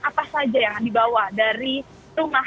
apa saja yang akan dibawa dari rumah